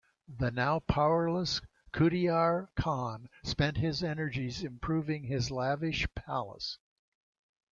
The now powerless Khudayar Khan spent his energies improving his lavish palace.